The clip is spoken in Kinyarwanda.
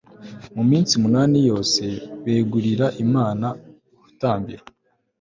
mu minsi umunani yose, begurira imana urutambiro